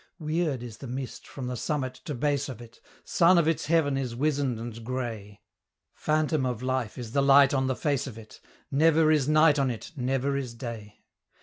Weird is the mist from the summit to base of it; Sun of its heaven is wizened and grey; Phantom of life is the light on the face of it Never is night on it, never is day!